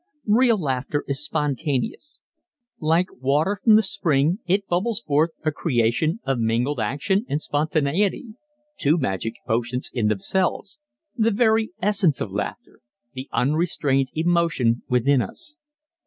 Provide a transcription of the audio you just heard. Real laughter is spontaneous. Like water from the spring it bubbles forth a creation of mingled action and spontaneity two magic potions in themselves the very essence of laughter the unrestrained emotion within us!